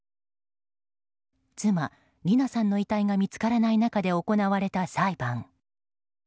妻・理奈さんの遺体が見つからない中で行われた裁判。